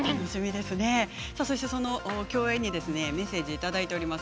そして、その競泳にメッセージいただいております。